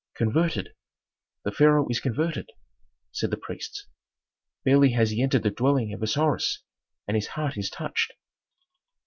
"Converted! The pharaoh is converted!" said the priests. "Barely has he entered the dwelling of Osiris, and his heart is touched."